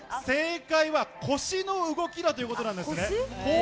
正解は腰の動きだということなんですね。